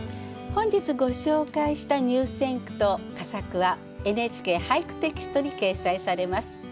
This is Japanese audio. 本日ご紹介した入選句と佳作は「ＮＨＫ俳句」テキストに掲載されます。